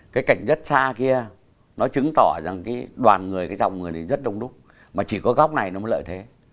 cái cảnh rất xa kia nó chứng tỏ rằng cái đoàn người cái dòng người này rất đông đúc mà chỉ có góc này nó mới lợi thế